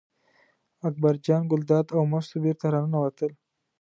اکبر جان ګلداد او مستو بېرته راننوتل.